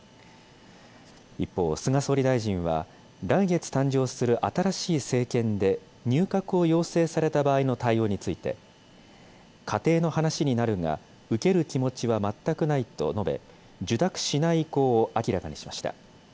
一方、菅総理大臣は、来月誕生する新しい政権で入閣を要請された場合の対応について、仮定の話になるが、受ける気持ちは全くないと述べ、受諾しない意向を明らかにしました。